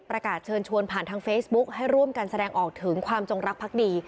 ประกาศเชิญชวนผ่านทางเฟซบุ๊คให้ร่วมกันแสดงออกถึงความจงรักพักดี